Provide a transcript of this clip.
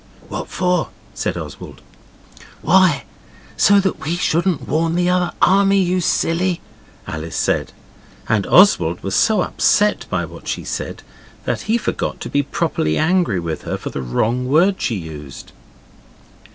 'What for?' said Oswald. 'Why, so that we shouldn't warn the other army, you silly,' Alice said, and Oswald was so upset by what she said, that he forgot to be properly angry with her for the wrong word she used.